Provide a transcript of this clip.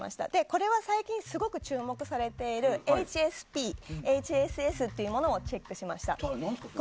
これは最近すごく注目されているＨＳＰ、ＨＳＳというものをチェックしました。